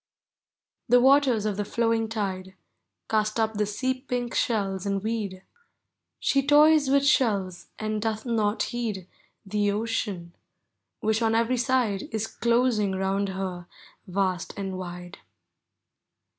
The waters of the llowiug tide Cast up the sea pink shells and weed; She toys with shells, and doth not heed The ocean, which on every side Is closing round her vast aud wide.